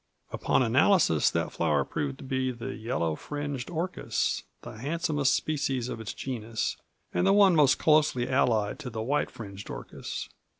Upon analysis the flower proved to be the yellow fringed orchis, the handsomest species of its genus, and the one most closely allied to the white fringed orchis.